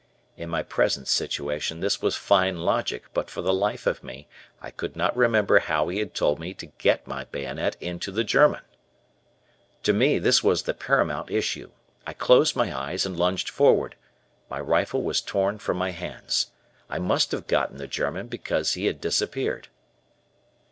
In my present situation this was fine logic, but for the life of me I could not remember how he had told me to get my bayonet into the German. To me, this was the paramount issue. I closed my eyes, and lunged forward. My rifle was torn from my hands. I must have gotten the German because he had disappeared.